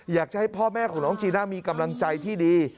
อยากให้พ่อแม่ของน้องจีน่ามีกำลังใจที่ดี